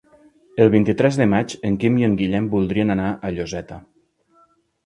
El vint-i-tres de maig en Quim i en Guillem voldrien anar a Lloseta.